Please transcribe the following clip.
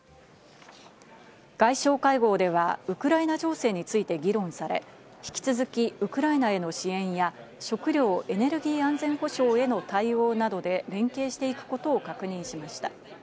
外相会合ではウクライナ情勢について議論され、引き続きウクライナへの支援や食料・エネルギー安全保障への対応などで連携していくことを確認しました。